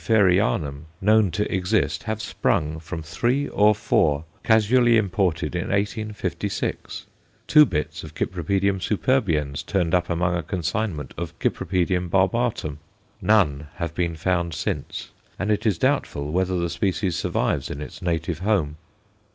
Fairieanum_ known to exist have sprung from three or four casually imported in 1856. Two bits of Cyp. superbiens turned up among a consignment of Cyp. barbatum; none have been found since, and it is doubtful whether the species survives in its native home.